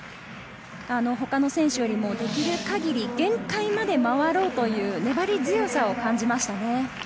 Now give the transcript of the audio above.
他の選手よりもできる限り、限界まで回ろうという粘り強さを感じましたね。